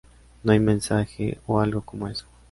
No hay mensajes o algo como eso".